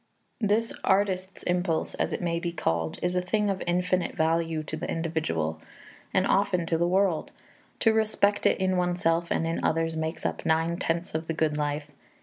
This artist's impulse, as it may be called, is a thing of infinite value to the individual, and often to the world; to respect it in oneself and in others makes up nine tenths of the good life.